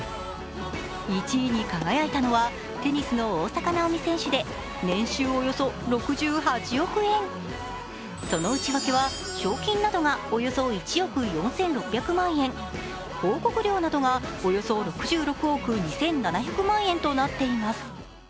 １位に輝いたのはテニスの大坂なおみ選手でその内訳は、賞金などがおよそ１億４６００万円、広告料などがおよそ６６億２７００万円となっています。